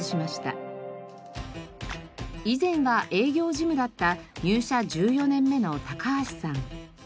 以前は営業事務だった入社１４年目の橋さん。